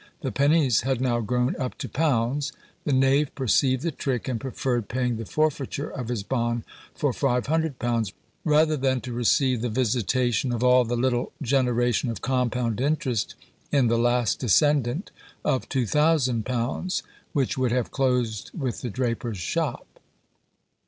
The pennies had now grown up to pounds. The knave perceived the trick, and preferred paying the forfeiture of his bond for £500, rather than to receive the visitation of all the little generation of compound interest in the last descendant of £2000, which would have closed with the draper's shop.